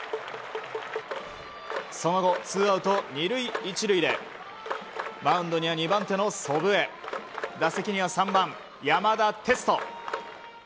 その後、ツーアウト２塁１塁でマウンドには２番手の祖父江打席には３番、山田哲人。